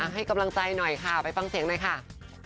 ให้กำลังใจหน่อยค่ะไปฟังเสียงหน่อยค่ะ